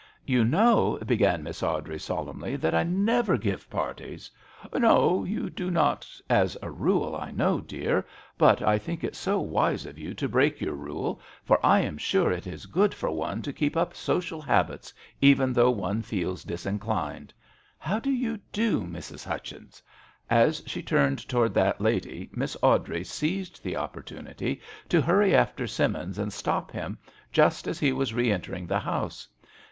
" "You know, began Miss MISS AWDREY AT HOME. 1 89 Awdrey, solemnly, " that I never give parties "" No, you do not as a rule, I know, dear; but I think it so wise of you to break your rule, for I am sure it is good for one to keep up social habits, even though one feels disin clined. How do you do, Mrs. Hutchins ?" As she turned towards that lady Miss Awdrey seized the opportunity to hurry after Simmins and stop him just as he was re entering the house.